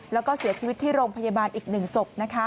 แล้วก็เสียชีวิตที่โรงพยาบาลอีก๑ศพ